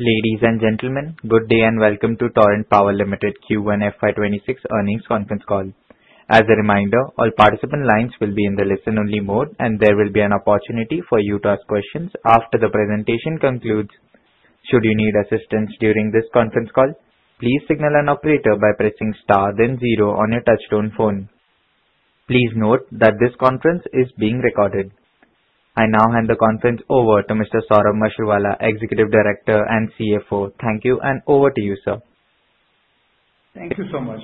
Ladies and gentlemen, good day and welcome to Torrent Power Limited Q1 FY26 earnings conference call. As a reminder, all participant lines will be in the listen-only mode, and there will be an opportunity for you to ask questions after the presentation concludes. Should you need assistance during this conference call, please signal an operator by pressing star then zero on your touch-tone phone. Please note that this conference is being recorded. I now hand the conference over to Mr. Saurabh Mashruwala, Executive Director and CFO. Thank you, and over to you, sir. Thank you so much.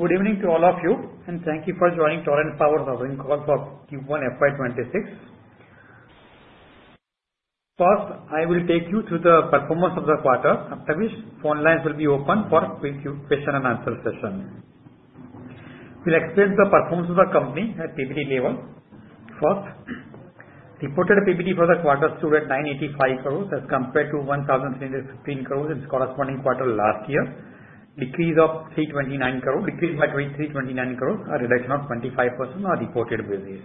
Good evening to all of you, and thank you for joining Torrent Power's earnings call for Q1 FY26. First, I will take you through the performance of the quarter, after which phone lines will be open for question and answer session. We'll explain the performance of the company at PBT level. First, reported PBT for the quarter stood at 985 crores as compared to 1,315 crores in its corresponding quarter last year. Decrease of 329 crores, decrease by 329 crores, a reduction of 25% on a reported basis.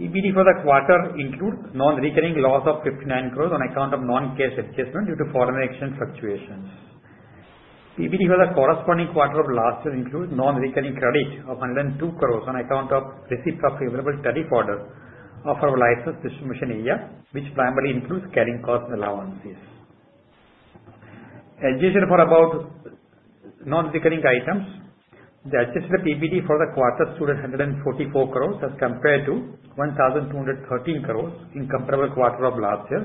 PBT for the quarter includes non-recurring loss of 59 crores on account of non-cash adjustment due to foreign exchange fluctuations. PBT for the corresponding quarter of last year includes non-recurring credit of 102 crores on account of receipt of favorable tariff order of our licensed distribution area, which primarily includes carrying costs and allowances. Adjusted for about non-recurring items, the adjusted PBT for the quarter stood at 144 crores as compared to 1,213 crores in comparable quarter of last year,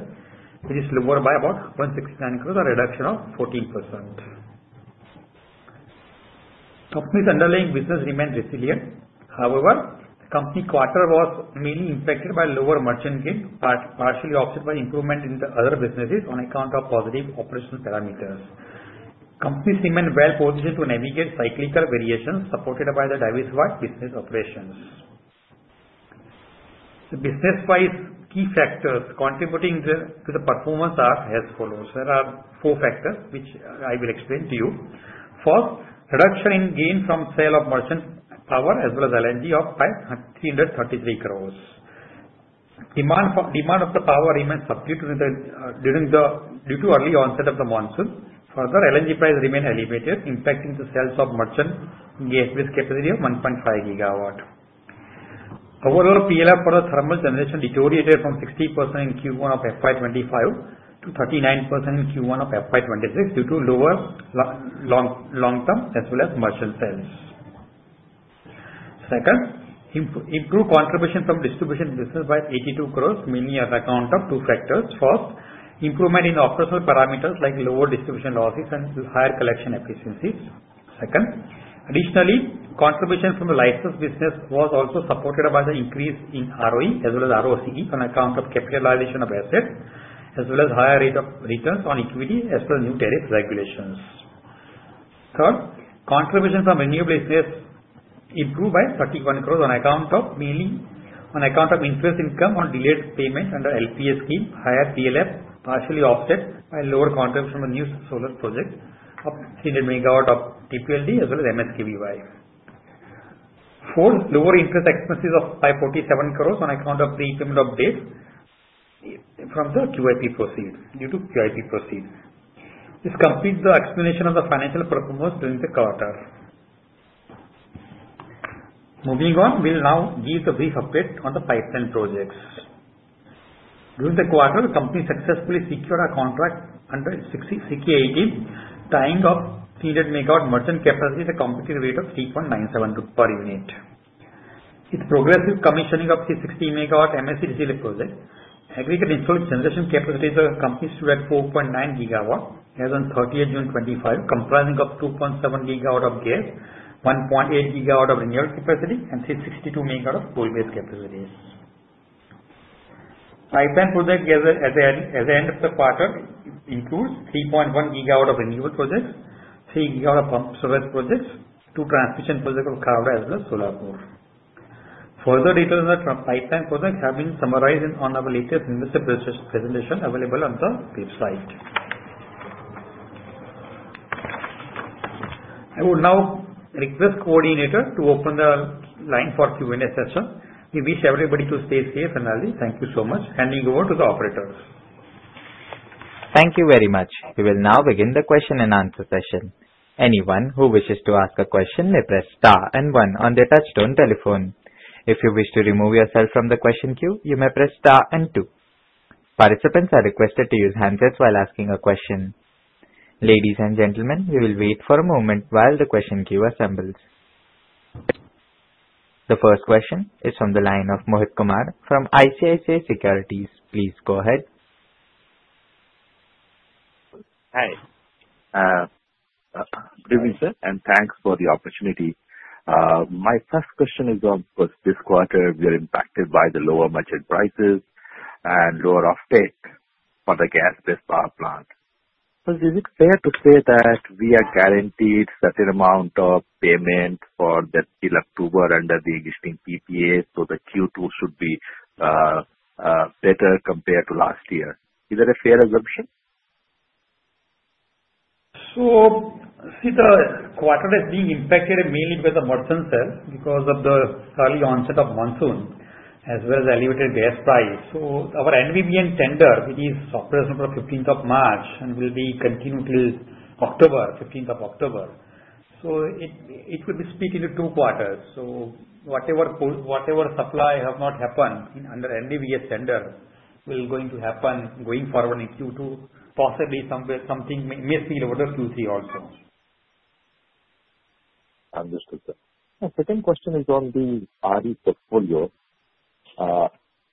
which is lower by about 169 crores, a reduction of 14%. Company's underlying business remained resilient. However, the company quarter was mainly impacted by lower merchant gain, partially offset by improvement in the other businesses on account of positive operational parameters. Company remained well-positioned to navigate cyclical variations supported by the diversified business operations. The business-wise key factors contributing to the performance are as follows. There are four factors which I will explain to you. First, reduction in gain from sale of merchant power as well as LNG of 333 crores. Demand of the power remained subdued due to early onset of the monsoon. Further, LNG price remained elevated, impacting the sales of merchant gas with capacity of 1.5 gigawatts. Overall, PLF for the thermal generation deteriorated from 60% in Q1 of FY25 to 39% in Q1 of FY26 due to lower long-term as well as merchant sales. Second, improved contribution from distribution business by 82 crores, mainly on account of two factors. First, improvement in operational parameters like lower distribution losses and higher collection efficiencies. Second, additionally, contribution from the licensed business was also supported by the increase in ROE as well as ROCE on account of capitalization of assets, as well as higher rate of returns on equity, as well as new tariff regulations. Third, contribution from renewable business improved by 31 crores mainly on account of interest income on delayed payment under LPS scheme. Higher PLF partially offset by lower contribution from new solar project of 300 megawatts of TPLD as well as MSKVY. Fourth, lower interest expenses of 547 crores on account of repayment of debts from the QIP proceeds due to QIP proceeds. This completes the explanation of the financial performance during the quarter. Moving on, we'll now give the brief update on the pipeline projects. During the quarter, the company successfully secured a contract under SECI 18, tying of 300 megawatts merchant capacity at a competitive rate of 3.97 per unit. With progressive commissioning of 360 megawatts MSEDCL project, aggregate installed generation capacity of the company stood at 4.9 gigawatts as of 30th June 2025, comprising of 2.7 gigawatts of gas, 1.8 gigawatts of renewable capacity, and 362 megawatts of coal-based capacity. Pipeline projects at the end of the quarter include 3.1 gigawatts of renewable projects, three gigawatts of pumped storage projects, two transmission projects of Khavda as well as Solapur. Further details on the pipeline project have been summarized on our latest investor presentation available on the website. I would now request coordinator to open the line for Q&A session. We wish everybody to stay safe and healthy. Thank you so much. Handing over to the operators. Thank you very much. We will now begin the question and answer session. Anyone who wishes to ask a question may press star and one on their touch-tone telephone. If you wish to remove yourself from the question queue, you may press star and two. Participants are requested to use handsets while asking a question. Ladies and gentlemen, we will wait for a moment while the question queue assembles. The first question is from the line of Mohit Kumar from ICICI Securities. Please go ahead. Hi. Good evening, sir, and thanks for the opportunity. My first question is, of course, this quarter we are impacted by the lower merchant prices and lower offtake for the gas-based power plant. Is it fair to say that we are guaranteed a certain amount of payment for the till October under the existing PPA? So the Q2 should be better compared to last year. Is that a fair assumption? So see, the quarter is being impacted mainly by the merchant sales because of the early onset of monsoon as well as elevated gas price. So our NVVN tender, which is operational for 15th of March and will be continued till October, 15th of October. So it will be split into two quarters. So whatever supply has not happened under NVVN tender will going to happen going forward in Q2. Possibly something may spill over to Q3 also. Understood, sir. Second question is on the RE portfolio.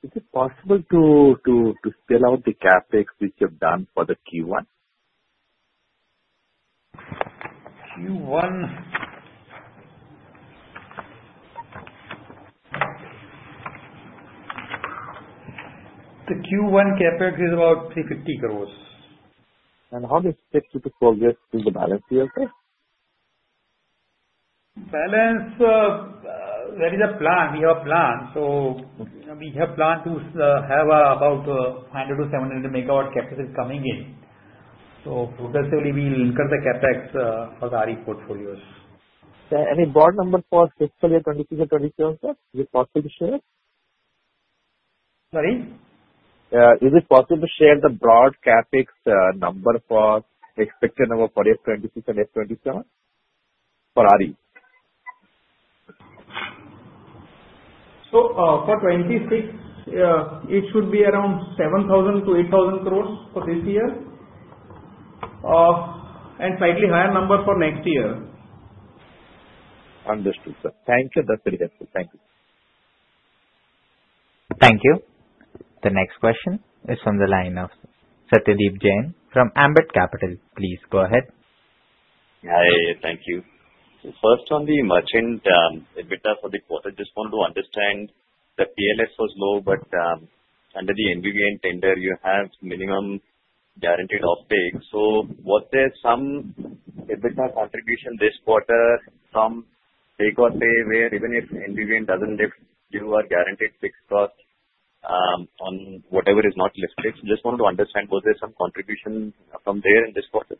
Is it possible to spell out the CapEx which you've done for the Q1? Q1. The Q1 CapEx is about 350 crores. How does that typically progress in the balance year? Balance, there is a plan. We have a plan. So we have planned to have about 500-700 megawatt capacity coming in. So progressively we'll increase the CapEx for the RE portfolios. Any broad number for fiscal year 2026 and 2027, sir? Is it possible to share? Sorry? Is it possible to share the broad CapEx number for expected number for FY26 and FY27 for RE? So for 26, it should be around 7,000-8,000 crores for this year and slightly higher number for next year. Understood, sir. Thank you. That's very helpful. Thank you. Thank you. The next question is from the line of Satyadeep Jain from Ambit Capital. Please go ahead. Hi. Thank you. So first, on the merchant EBITDA for the quarter, just want to understand the PLF was low, but under the NVVN tender, you have minimum guaranteed offtake. So was there some EBITDA contribution this quarter from take or pay where, even if NVVN doesn't lift, you are guaranteed fixed cost on whatever is not lifted? Just wanted to understand, was there some contribution from there in this quarter?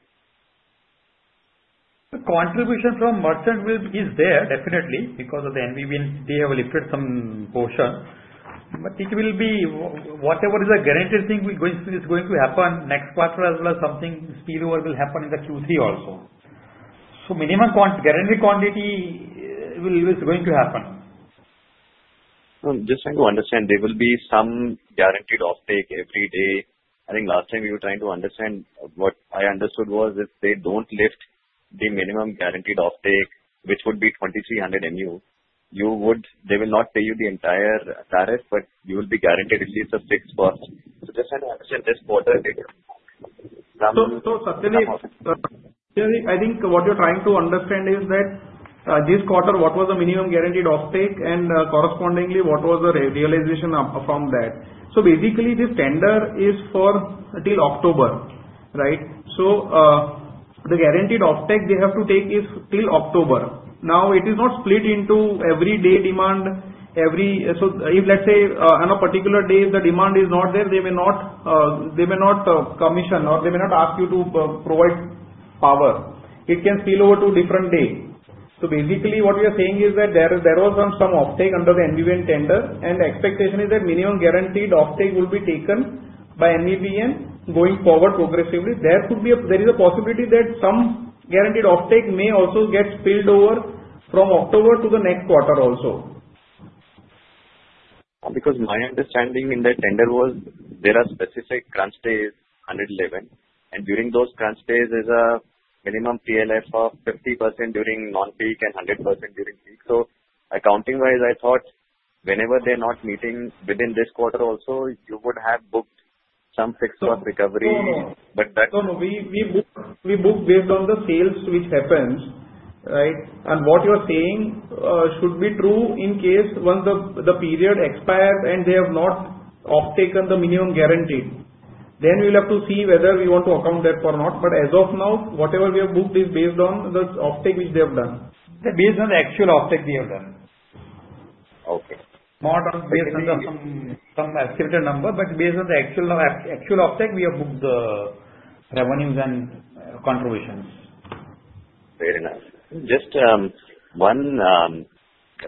The contribution from merchant is there, definitely, because of the NVVN. They have lifted some portion, but it will be whatever is a guaranteed thing is going to happen next quarter as well as something spillover will happen in the Q3 also. So minimum guaranteed quantity is going to happen. Just trying to understand, there will be some guaranteed offtake every day. I think last time we were trying to understand, what I understood was if they don't lift the minimum guaranteed offtake, which would be 2,300 MU, they will not pay you the entire tariff, but you will be guaranteed at least a fixed cost. So just trying to understand this quarter. So Satyadeep, I think what you're trying to understand is that this quarter, what was the minimum guaranteed offtake and correspondingly what was the realization from that. So basically, this tender is for till October, right? So the guaranteed offtake they have to take is till October. Now, it is not split into every day demand. So if, let's say, on a particular day, if the demand is not there, they may not commission or they may not ask you to provide power. It can spill over to a different day. So basically, what we are saying is that there was some offtake under the NVVN tender, and the expectation is that minimum guaranteed offtake will be taken by NVVN going forward progressively. There is a possibility that some guaranteed offtake may also get spilled over from October to the next quarter also. Because my understanding in the tender was there are specific crunch days, 111, and during those crunch days, there's a minimum PLF of 50% during non-peak and 100% during peak. So accounting-wise, I thought whenever they're not meeting within this quarter also, you would have booked some fixed cost recovery, but that. No, no. We book based on the sales which happens, right? And what you're saying should be true in case when the period expires and they have not offtaken the minimum guaranteed. Then we'll have to see whether we want to account that for or not. But as of now, whatever we have booked is based on the offtake which they have done. Based on the actual offtake they have done. Okay. Not based on some estimated number, but based on the actual offtake, we have booked the revenues and contributions. Very nice. Just one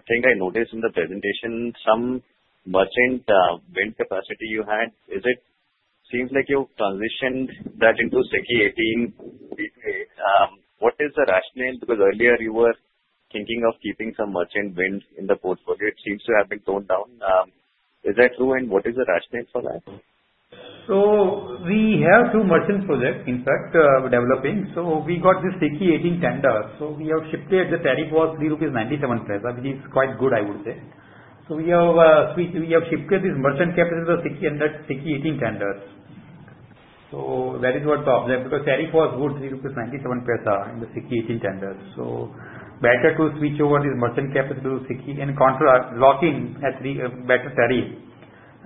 thing I noticed in the presentation, some merchant wind capacity you had. Seems like you've transitioned that into SECI 18. What is the rationale? Because earlier, you were thinking of keeping some merchant wind in the portfolio. It seems to have been toned down. Is that true, and what is the rationale for that? So we have two merchant projects, in fact, developing. So we got this SECI 18 tender. So we have shifted the tariff was 3.97 rupees, which is quite good, I would say. So we have shifted this merchant capacity to SECI 18 tenders. So that is what the objective. Because tariff was good, 3.97 rupees in the SECI 18 tenders. So better to switch over this merchant capacity to SECI and lock in a better tariff.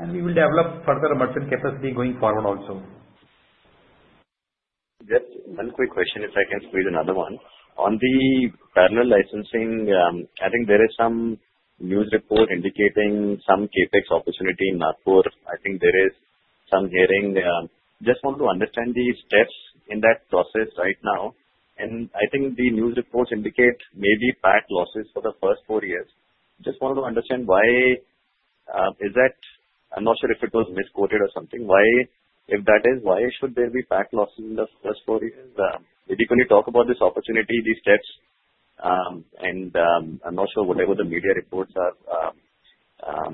And we will develop further merchant capacity going forward also. Just one quick question if I can squeeze another one. On the parallel licensing, I think there is some news report indicating some CapEx opportunity in Nagpur. I think there is some hearing. Just wanted to understand the steps in that process right now, and I think the news reports indicate maybe PAT losses for the first four years. Just wanted to understand why is that? I'm not sure if it was misquoted or something. If that is, why should there be PAT losses in the first four years? Maybe can you talk about this opportunity, these steps, and I'm not sure whatever the media reports are.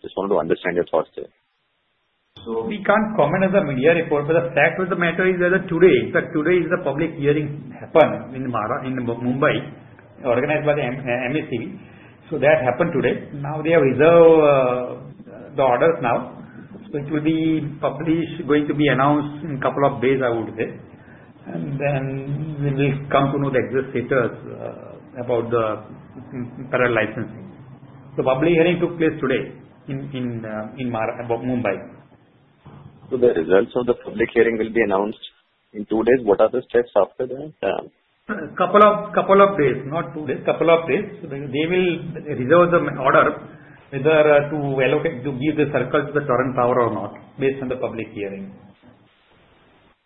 Just wanted to understand your thoughts there. So we can't comment on the media report, but the fact of the matter is that today, in fact, today is the public hearing happened in Mumbai, organized by the MSEB. So that happened today. Now, they have reserved the orders now. So it will be published, going to be announced in a couple of days, I would say, and then we will come to know the exact status about the parallel licensing. The public hearing took place today in Mumbai. So the results of the public hearing will be announced in two days. What are the steps after that? A couple of days. Not two days. A couple of days. They will reserve the order whether to allocate to give the circle to Torrent Power or not, based on the public hearing.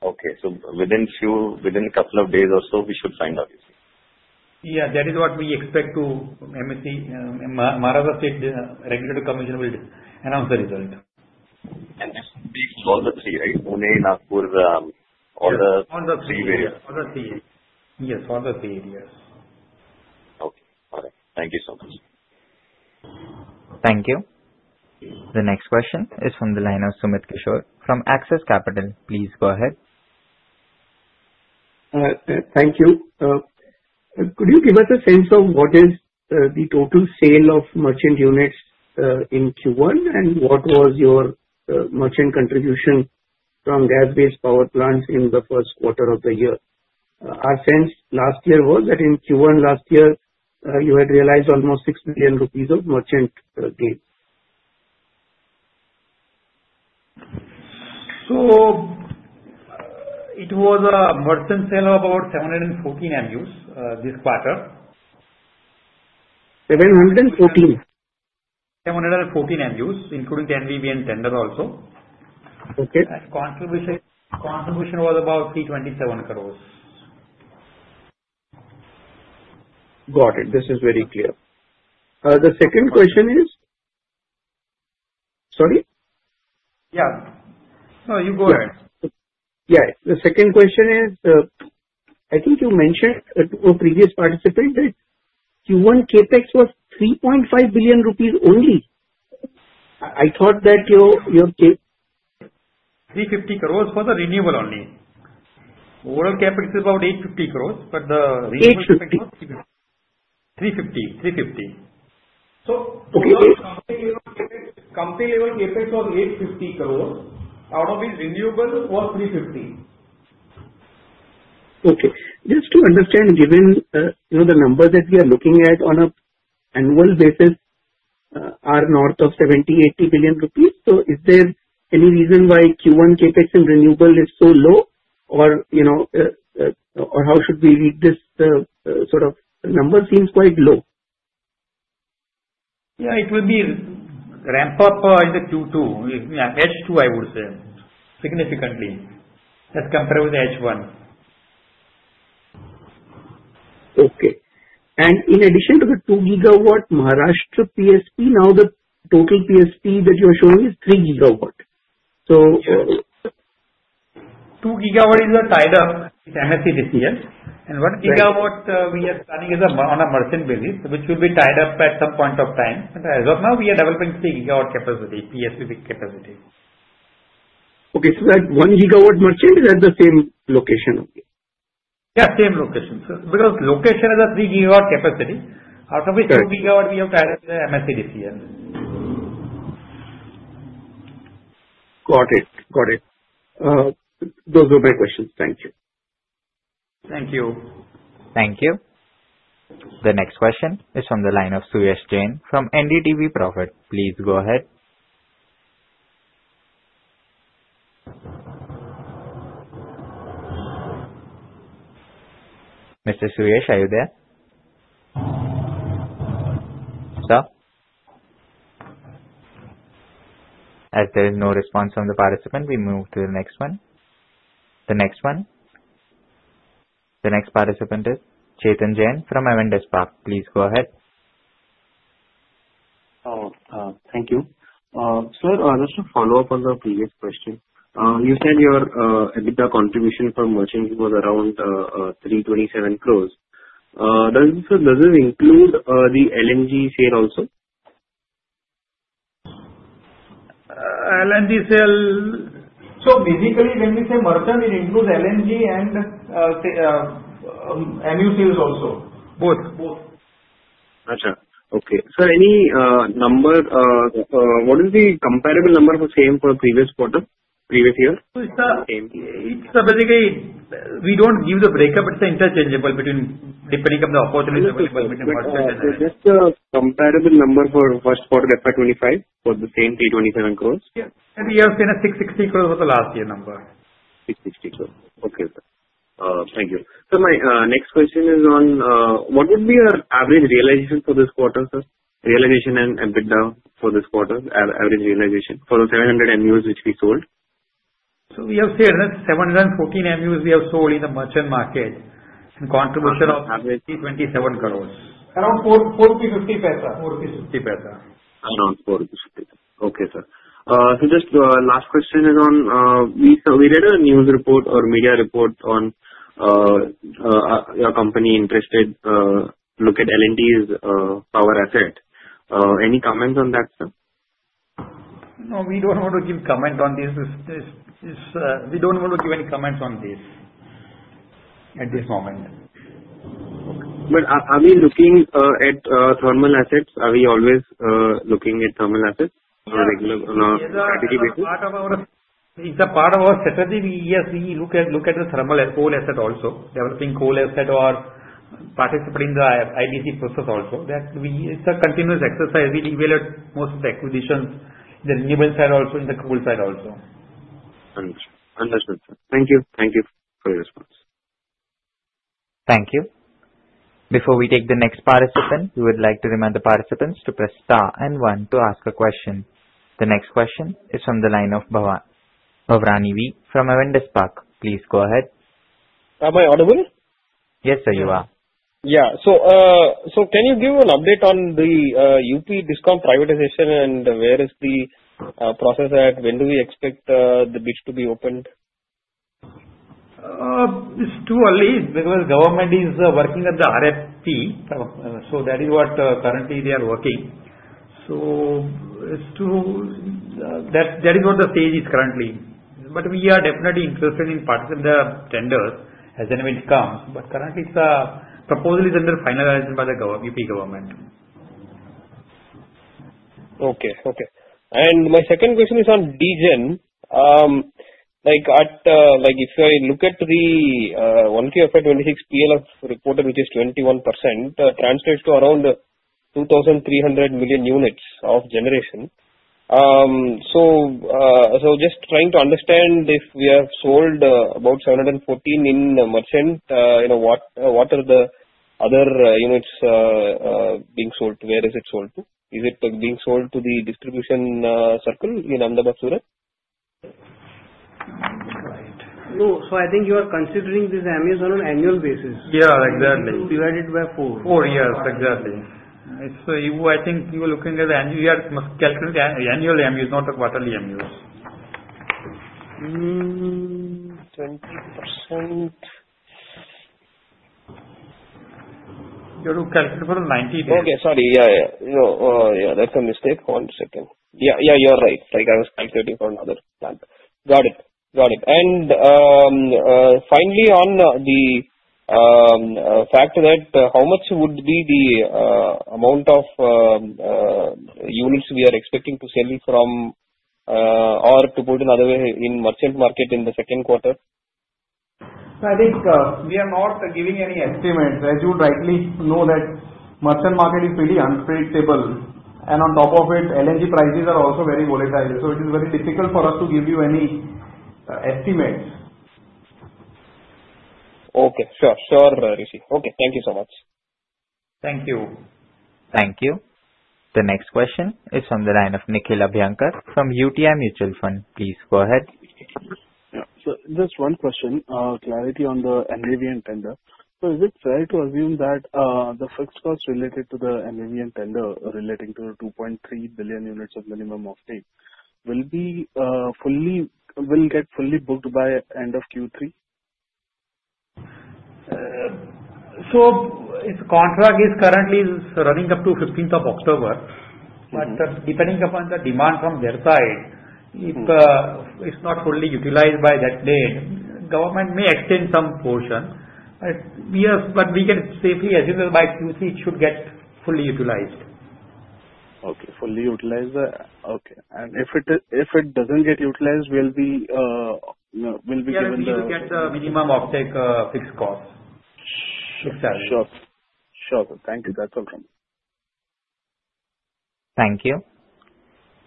Okay, so within a couple of days or so, we should find out, you see. Yeah. That is what we expect the MERC, Maharashtra State Regulatory Commission, will announce the result. This will be for all the three, right? Pune, Nagpur, all the three areas. Yes, all the three areas. Okay. All right. Thank you so much. Thank you. The next question is from the line of Sumit Kishore from Axis Capital. Please go ahead. Thank you. Could you give us a sense of what is the total sale of merchant units in Q1 and what was your merchant contribution from gas-based power plants in the first quarter of the year? Our sense last year was that in Q1 last year, you had realized almost 6 million rupees of merchant gain. It was a merchant sale of about 714 MUs this quarter. 714? 714 MUs, including the NVVN tender also. Contribution was about ₹327 crores. Got it. This is very clear. The second question is, sorry? Yeah. No, you go ahead. Yeah. The second question is, I think you mentioned to a previous participant that Q1 CapEx was 3.5 billion rupees only. I thought that your. 350 crores for the renewable only. Overall CapEx is about 850 crores, but the renewable CapEx was 350. So company-level CapEx was 850 crores. Out of this, renewable was 350. Okay. Just to understand, given the numbers that we are looking at on an annual basis are north of 70-80 billion rupees, so is there any reason why Q1 CapEx in renewable is so low, or how should we read this sort of number? It seems quite low. Yeah. It will be ramp up in the Q2, H2, I would say, significantly as compared with H1. Okay. And in addition to the two gigawatt Maharashtra PSP, now the total PSP that you are showing is three gigawatt. So. 2 gigawatt is a tied-up MSEDCL. And 1 gigawatt we are planning on a merchant basis, which will be tied up at some point of time. But as of now, we are developing 3 gigawatt capacity, PSP capacity. Okay, so that one gigawatt merchant is at the same location? Yeah, same location. Because location is a 3-gigawatt capacity. Out of this, 2 gigawatt we have tied up the MSEDCL. Got it. Got it. Those were my questions. Thank you. Thank you. Thank you. The next question is from the line of Suyash Jain from NDTV Profit. Please go ahead. Mr. Suyesh, are you there? Sir? As there is no response from the participant, we move to the next one. The next one. The next participant is Ketan Jain from Avendus Spark. Please go ahead. Thank you. Sir, just to follow up on the previous question, you said your EBITDA contribution from merchant was around 327 crores. Does this include the LNG sale also? LNG sale. So basically, when we say merchant, it includes LNG and MU sales also. Both. Both. Ajah. Okay. Sir, any number? What is the comparable number for same for previous quarter, previous year? It's basically we don't give the breakup. It's interchangeable depending on the opportunity available between merchant and. Okay. Just a comparable number for first quarter, FY25, for the same 327 crores? Yeah. We have seen 660 crores for the last year number. 660 crores. Okay. Thank you. Sir, my next question is on what would be your average realization for this quarter, sir? Realization and EBITDA for this quarter, average realization for the 700 MUs which we sold. So we have seen that 714 MUs we have sold in the merchant market and contribution of INR 327 crores. Around 450. 450. Around 450. Okay, sir. So just last question is on, we read a news report or media report on your company interested to look at L&T's power asset. Any comments on that, sir? No, we don't want to give comment on this. We don't want to give any comments on this at this moment. But are we looking at thermal assets? Are we always looking at thermal assets on a regular strategy basis? It's a part of our strategy. Yes, we look at the thermal and coal asset also, developing coal asset or participating in the IBC process also. It's a continuous exercise. We develop most of the acquisitions in the renewable side also, in the coal side also. Understood. Thank you. Thank you for your response. Thank you. Before we take the next participant, we would like to remind the participants to press star and one to ask a question. The next question is from the line of Bhavin Vithlani from Avendus Spark. Please go ahead. Am I audible? Yes, sir, you are. Yeah. So can you give an update on the UP Discom privatization and where is the process at? When do we expect the bid to be opened? It's too early because government is working at the RFP. So that is what currently they are working. So that is what the stage is currently. But we are definitely interested in participating in the tenders as and when it comes. But currently, the proposal is under finalization by the UP government. Okay. Okay. And my second question is on DGEN. If I look at the voluntary FY26 PLF reported, which is 21%, translates to around 2,300 million units of generation. So just trying to understand if we have sold about 714 in merchant, what are the other units being sold to? Where is it sold to? Is it being sold to the distribution circle in Ahmedabad, Surat? No. So I think you are considering this MUs on an annual basis. Yeah, exactly. Divided by four. Four. Yes, exactly. So I think you are looking at the MUs. You are calculating annual MUs, not quarterly MUs. 20%. You have to calculate for 90 days. Okay. Sorry. Yeah. Yeah. That's a mistake. One second. Yeah. Yeah. You're right. I was calculating for another plan. Got it. Got it. And finally, on the fact that how much would be the amount of units we are expecting to sell from or to put in other way in merchant market in the second quarter? I think we are not giving any estimates. As you rightly know, that merchant market is pretty unpredictable. And on top of it, LNG prices are also very volatile. So it is very difficult for us to give you any estimates. Okay. Sure. Sure, Rishi. Okay. Thank you so much. Thank you. Thank you. The next question is from the line of Nikhil Abhyankar from UTI Mutual Fund. Please go ahead. Yeah. So just one question, clarity on the NVVN tender. So is it fair to assume that the fixed cost related to the NVVN tender relating to 2.3 billion units of minimum offtake will get fully booked by end of Q3? So if contract is currently running up to 15th of October, but depending upon the demand from their side, if it's not fully utilized by that date, government may extend some portion. But we can safely assume that by Q3, it should get fully utilized. Okay. Fully utilized. Okay. And if it doesn't get utilized, will we be given the? We will get the minimum offtake fixed cost. Sure. Sure. Thank you. That's all from me. Thank you.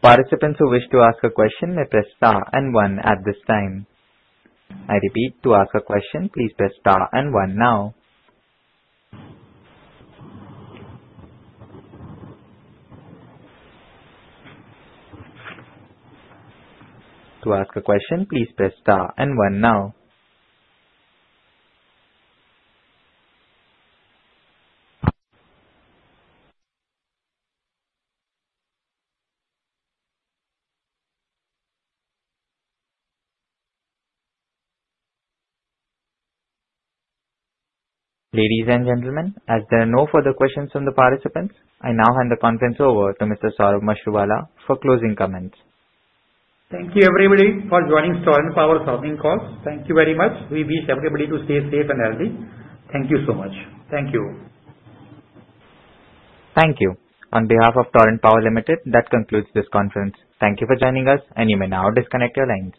Participants who wish to ask a question may press star and one at this time. I repeat, to ask a question, please press star and one now. To ask a question, please press star and one now. Ladies and gentlemen, as there are no further questions from the participants, I now hand the conference over to Mr. Saurabh Mashruwala for closing comments. Thank you, everybody, for joining Torrent Power earnings call. Thank you very much. We wish everybody to stay safe and healthy. Thank you so much. Thank you. Thank you. On behalf of Torrent Power Limited, that concludes this conference. Thank you for joining us, and you may now disconnect your lines.